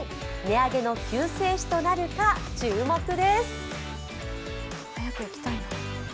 値上げの救世主となるか注目です。